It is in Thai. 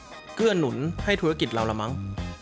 เพื่อเกื้อหนุนให้ธุรกิจเราละมั้ง